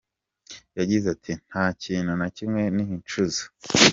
Yagize ati “Nta kintu na kimwe nicuza.